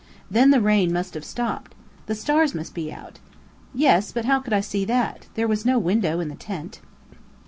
Then the rain must have stopped. The stars must be out. Yes, but how could I see that? There was no window in the tent.